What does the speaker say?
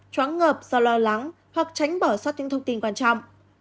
chóng ngợp do lo lắng hoặc tránh bỏ sót những thông tin quan trọng